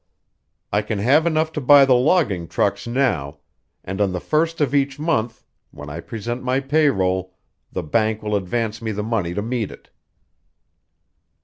I can have enough to buy the logging trucks now, and on the first of each month, when I present my pay roll, the bank will advance me the money to meet it."